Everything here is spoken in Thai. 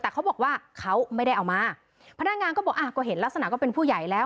แต่เขาบอกว่าเขาไม่ได้เอามาพนักงานก็บอกอ่ะก็เห็นลักษณะก็เป็นผู้ใหญ่แล้ว